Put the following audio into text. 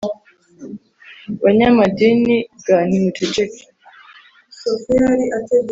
banyamadini ga nimuceceke